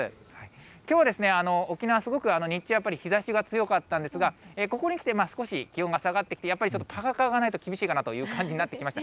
きょうは沖縄、すごく日中はやっぱり日ざしが強かったんですが、ここにきて、少し気温が下がってきて、やっぱりちょっとがないと厳しいかなという感じになってきました。